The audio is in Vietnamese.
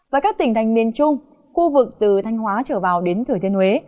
và các tỉnh thành miền trung khu vực từ thanh hóa trở vào đến thời thiên huế